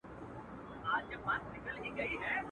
دا د قامونو د خپلویو وطن.